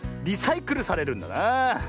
リサイクルされるんだなあ。